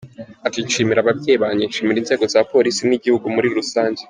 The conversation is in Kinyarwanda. Ati “Nshimira ababyeyi banjye, nshimira inzego za Polisi n’igihugu muri rusange”.